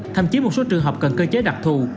thậm chí một số trường hợp cần cơ chế đặc thù